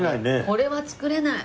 これは作れない！